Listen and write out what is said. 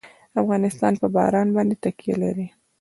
افغانستان په باران باندې تکیه لري.